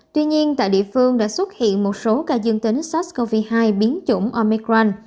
tuy nhiên tại địa phương đã xuất hiện một số ca dương tính sars cov hai biến chủng omicran